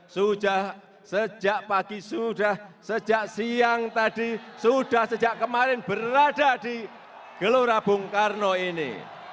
sudah sejak pagi sudah sejak siang tadi sudah sejak kemarin berada di gelora bung karno ini